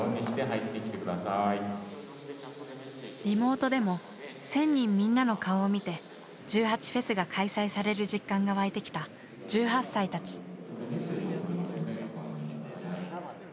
リモートでも１，０００人みんなの顔を見て１８祭が開催される実感が湧いてきた１８歳たち。